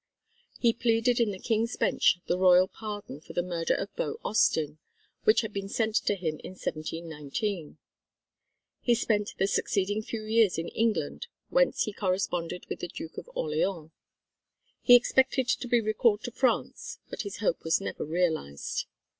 He pleaded in the King's Bench the Royal pardon for the murder of Beau Austin which had been sent to him in 1719. He spent the succeeding few years in England whence he corresponded with the Duke of Orleans. He expected to be recalled to France but his hope was never realised.